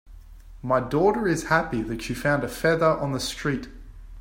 My daughter is happy that she found a feather on the street.